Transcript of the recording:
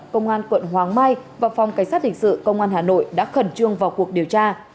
công an quận hoàng mai và phòng cảnh sát hình sự công an hà nội đã khẩn trương vào cuộc điều tra